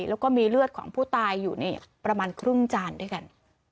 แล้วก็มีเลือดของผู้ตายอยู่ประมาณครึ่งจานด้วยกัน